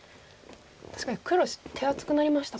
確かに黒手厚くなりましたもんね。